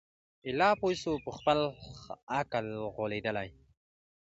ایله پوه سو په خپل عقل غولیدلی